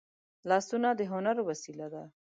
لاسونه د هنر وسیله ده